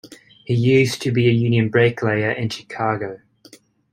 He used to be a union bricklayer in Chicago.